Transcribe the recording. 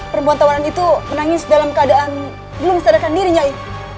perempuan tawaran itu menangis dalam keadaan belum sadarkan dirinya ya